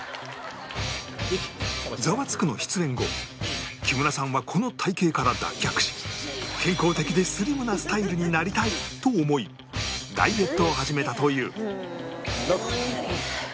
『ザワつく！』の出演後木村さんはこの体形から脱却し健康的でスリムなスタイルになりたいと思いダイエットを始めたという